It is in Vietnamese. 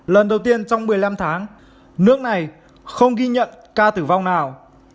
lần đầu tiên trong một mươi năm tháng nước này không ghi nhận ca tử vong nào